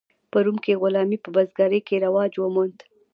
په روم کې غلامي په بزګرۍ کې رواج وموند.